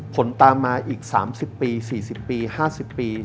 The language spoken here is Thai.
ผลตามมาอีก๓๐ปี๔๐ปี๕๐ปี